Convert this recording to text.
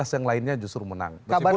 dua belas yang lainnya justru menang